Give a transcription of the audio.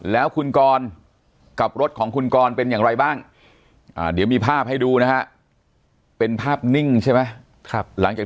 แล้วคุณกรณ์กับรถของคุณกรณ์เป็นยังไงบ้าง